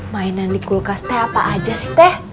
mainan dikulkas teh apa aja sih teh